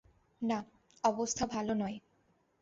না, অবস্থা ভালো নয়।